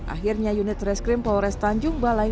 akhirnya unit reskrim polres tanjung balai